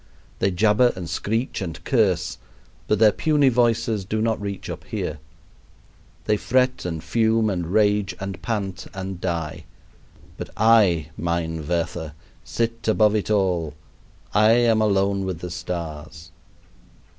They jabber and screech and curse, but their puny voices do not reach up here. They fret, and fume, and rage, and pant, and die; "but I, mein Werther, sit above it all; I am alone with the stars."